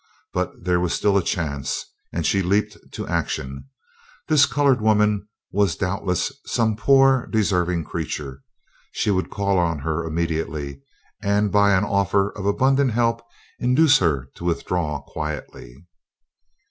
But there was still a chance, and she leaped to action. This colored woman was doubtless some poor deserving creature. She would call on her immediately, and by an offer of abundant help induce her to withdraw quietly.